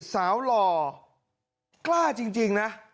สาวหล่อกล้าจริงจริงนะ